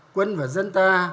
quân và dân ta